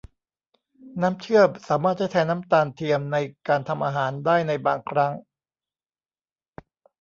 น้ำเชื่อมสามารถใช้แทนน้ำตาลเทียมในการทำอาหารได้ในบางครั้ง